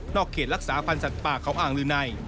เขตรักษาพันธ์สัตว์ป่าเขาอ่างลือใน